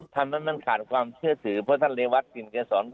ทำแล้วมันขาดความเชื่อถือเพราะท่านเรวัตกลิ่นเกษร